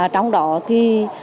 trong đó thì